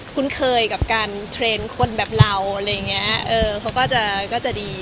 คุ้นเคยกับการเทรนคนแบบเราอะไรงี้เค้าก็จะหนี